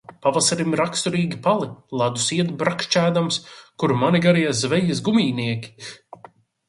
Pavasarim raksturīgi pali. Ledus iet brakšķēdams. Kur mani garie zvejas gumijnieki?